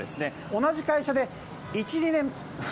同じ会社で１２年。